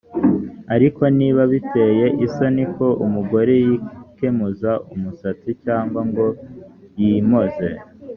ariko niba biteye isoni ko umugore yikemuza umusatsi cyangwa ngo yimoze